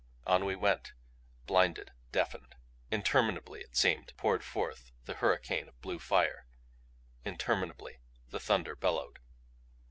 On we went, blinded, deafened. Interminably, it seemed, poured forth the hurricane of blue fire; interminably the thunder bellowed.